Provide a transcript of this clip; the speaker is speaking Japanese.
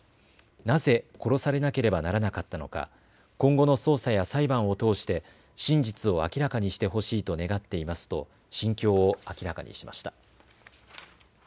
なぜ殺されなければならなかったのか、今後の捜査や裁判を通して真実を明らかにしてほしいと願っていますと心境を明らかにしました。